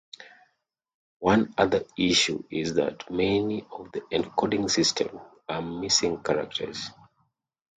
One other issue is that many of the encoding systems are missing characters.